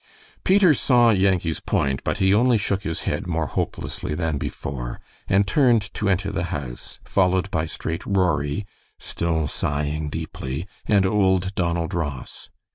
Peter saw Yankee's point, but he only shook his head more hopelessly than before, and turned to enter the house, followed by Straight Rory, still sighing deeply, and old Donald Ross.